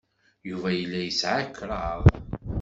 Yuba yella yesɛa kraḍ.